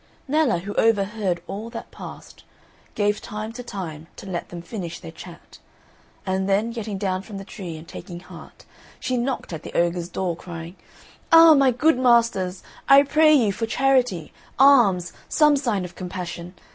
Nella, who overheard all that passed, gave time to Time to let them finish their chat; and then, getting down from the tree and taking heart, she knocked at the ogre's door crying, "Ah! my good masters, I pray you for charity, alms, some sign of compassion.